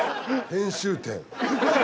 編集点。